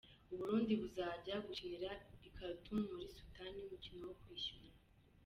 U Burundi buzajya gukinira I Khartoum muri Sudan umukino wo kwishyura.